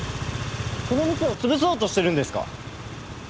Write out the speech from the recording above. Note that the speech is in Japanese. この店を潰そうとしてるんですか？